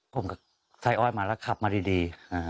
ผมก็ใส่อ้อยมาแล้วขับมาดี